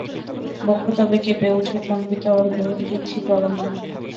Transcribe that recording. বক্ষ তব কেঁপে উঠে, কম্পিত অর্গল, পৃথ্বী টলমল।